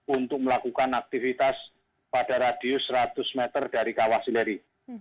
untuk melakukan aktivitas pada radius seratus meter dari kawah sileri